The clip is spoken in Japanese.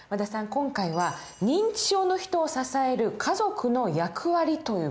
今回は認知症の人を支える家族の役割という事ですね。